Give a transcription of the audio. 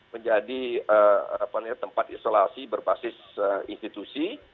menjadi tempat isolasi berbasis institusi